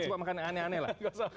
gak usah makanan aneh aneh